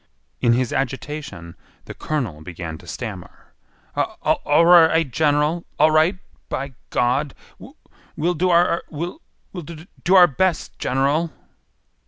In his agitation the colonel began to stammer. "A all r right, General, all right, by Gawd! We we'll do our—we we'll d d do do our best, General."